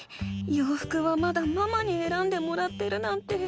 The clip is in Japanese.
ようふくはまだママにえらんでもらってるなんて。